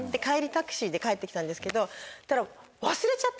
タクシーで帰って来たんですけどそしたら。